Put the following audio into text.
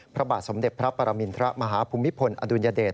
พระบาทสมเด็จพระปรมินทรมาฮภูมิพลอดุลยเดช